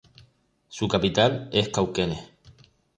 Su capital es Cauquenes.